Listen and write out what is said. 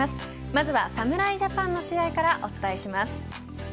まずは侍ジャパンの試合からお伝えします。